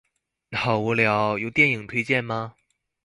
好無聊，有電影推薦嗎